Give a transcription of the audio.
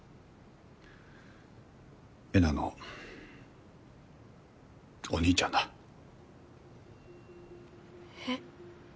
えなのお兄ちゃんだ。え？